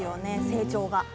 成長が。